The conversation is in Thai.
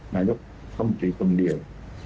งานยกธรรมดีตรงเดียว